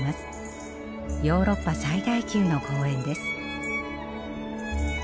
ヨーロッパ最大級の公園です。